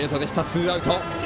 ツーアウト。